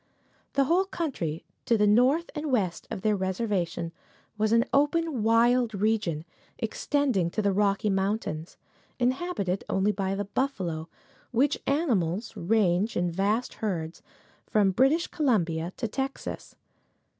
The whole country to the north and west of their reservation was an open, wild region, extending to the Rocky Mountains, inhabited only by the buffalo, which animals ranged in vast herds from British Columbia to Texas.